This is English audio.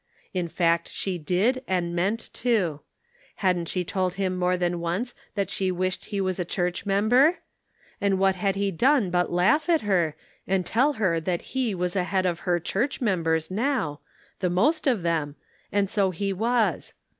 In fact she did, and meant to. Hadn't she told him more than once that she wished he was a church member? And what had he done but laugh at her, and tell her that he was ahead of her church members now — the most of them — and so he was.